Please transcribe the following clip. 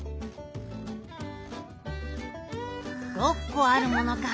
６こあるものか。